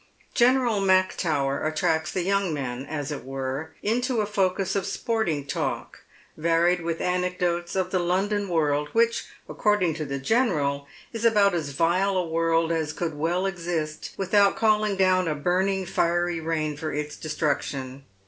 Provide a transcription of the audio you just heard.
General Mactower attracts the young men, as it were, into a focus of sporting talk, varied with anecdotes of the London world, which, according to the General, is about as vile a world ds could well exist without calling down a burning fiery rain for its destruction.